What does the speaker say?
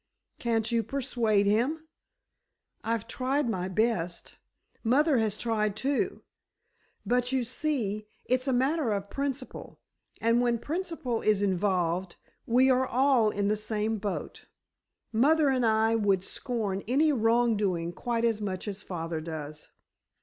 "Can't you persuade him?" "I've tried my best. Mother has tried, too. But, you see, it's a matter of principle, and when principle is involved, we are all in the same boat. Mother and I would scorn any wrongdoing quite as much as father does."